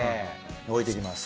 置いていきます。